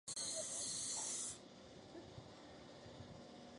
除了绿色蔬菜以外也可以加少许猪肉末。